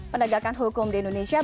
pendegakan hukum di indonesia